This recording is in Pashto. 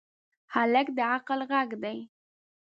هلک د عقل غږ دی.